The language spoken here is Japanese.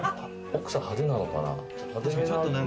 奥さん、派手なのかな？